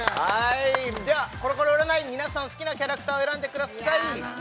ではコロコロ占い皆さん好きなキャラクターを選んでくださいいや